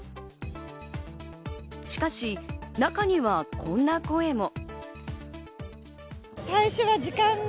しかし、中にはこんな声も。